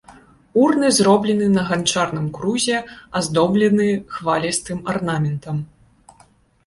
Урны зроблены на ганчарным крузе, аздоблены хвалістым арнаментам.